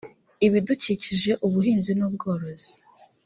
ibidukikije ubuhinzi n ubworozi